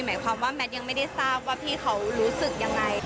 หมายความว่าแมทยังไม่ได้ทราบว่าพี่เขารู้สึกยังไง